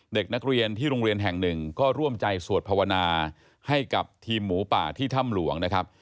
เด็กนักเรียนที่โรงเรียนแห่งหนึ่งก็ร่วมใจสวดภาวนาให้กับทีมหมูป่าที่ถ้ำหลวงนะครับ